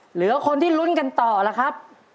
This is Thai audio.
เหลือคนที่ลุ้นกันต่อล่ะครับ